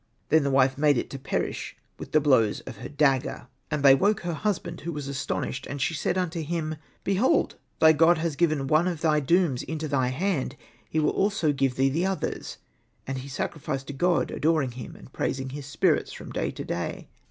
Then his wife made it to perish with the blows of her dagger. And Hosted by Google THE DOOMED PRINCE 27 they woke her husband, who was astonished ; and she said unto him, '' Behold thy God has given one of thy dooms into thy hand ; He wiJl also give thee the others." And he sacrificed to God, adoring Him, and praising His spirits from day to day.